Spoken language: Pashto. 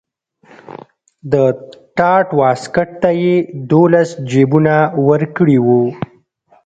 د ټاټ واسکټ ته یې دولس جیبونه ورکړي وو.